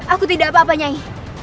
aku tidak apa apa nyai